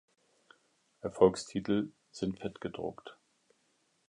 Erfolgstitel sind fettgedruckt.